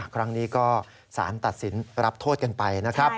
ครั้งนี้ก็สารตัดสินรับโทษกันไปนะครับ